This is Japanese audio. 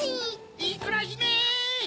・いくらひめ！